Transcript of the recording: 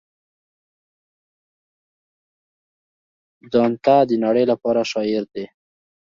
دانته د نړۍ لپاره شاعر دی.